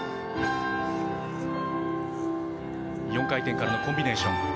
４回転からのコンビネーション。